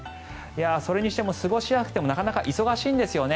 それにしても過ごしやすくてもなかなか忙しいんですよね。